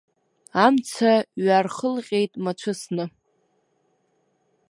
Амца ҩархылҟьеит мацәысны.